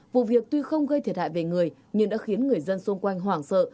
vụ việc tuy không gây thiệt hại về người nhưng đã khiến người dân xung quanh hoảng sợ